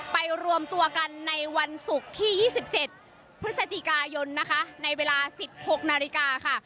รวมตัวกันในวันศุกร์ที่๒๗พฤศจิกายนนะคะในเวลา๑๖นาฬิกาค่ะ